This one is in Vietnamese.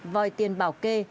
vòi tiền bảo kê